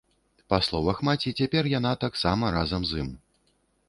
Па словах маці, цяпер яна таксама разам з ім.